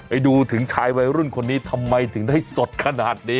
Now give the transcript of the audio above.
ไปดูถึงชายวัยรุ่นคนนี้ทำไมถึงได้สดขนาดนี้